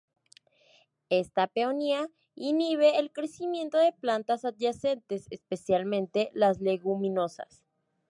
Esta peonía inhibe el crecimiento de plantas adyacentes, especialmente las leguminosas.